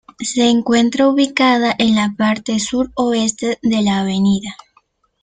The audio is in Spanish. Se encuentra ubicada en la parte sur oeste de la Av.